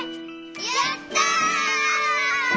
やった！